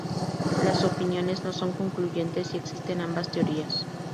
Las opiniones no son concluyentes y existen ambas teorías.